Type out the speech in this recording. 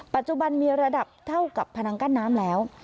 ปัจจุบันมีระดับเท่ากับพนังกั้นน้ำแล้ว